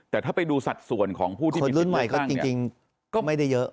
แต่ถ้าไปดูสัดส่วนของผู้ที่คนรุ่นใหม่ก็จริงก็ไม่ได้เยอะ